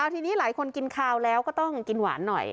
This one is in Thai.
ทีนี้หลายคนกินคาวแล้วก็ต้องกินหวานหน่อย